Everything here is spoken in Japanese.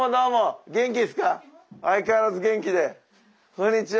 こんにちは。